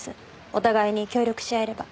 お互いに協力し合えれば。